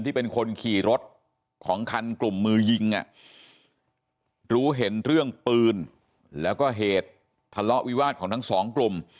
เป็นคนขี่รถของคันกลุ่มมือยิงรู้เห็นเรื่องปืนแล้วก็เหตุทะเลาะวิวาสของทั้งสองกลุ่ม